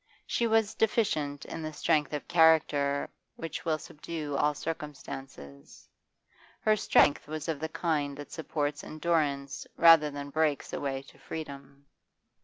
She was deficient in the strength of character which will subdue all circumstances; her strength was of the kind that supports endurance rather than breaks a way to freedom.